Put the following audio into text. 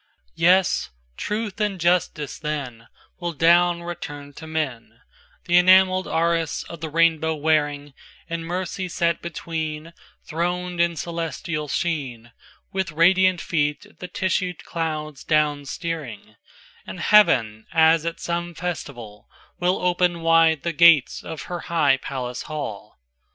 XVYes, Truth and Justice thenWill down return to men, The enamelled arras of the rainbow wearing; And Mercy set between, Throned in celestial sheen, With radiant feet the tissued clouds down steering; And Heaven, as at some festival, Will open wide the gates of her high palace hall.